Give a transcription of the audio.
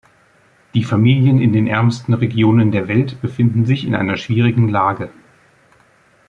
Die Familien in den ärmsten Regionen der Welt befinden sich in einer schwierigen Lage.